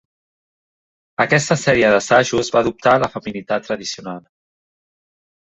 Aquesta sèrie d'assajos va adoptar la feminitat tradicional.